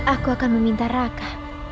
aku akan meminta raka